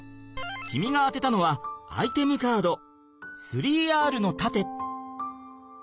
君が当てたのはアイテムカード３Ｒの盾！